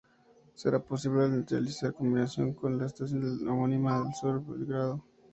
Será posible realizar combinación con la estación homónima de la línea Belgrano Sur.